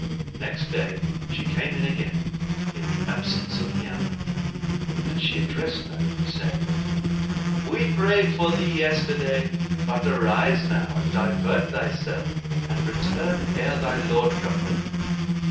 Next day she came again, in the absence of Ni'amah, and she addressed Naomi, saying, "We prayed for thee yesterday; but arise now and divert thyself and return ere thy lord come home."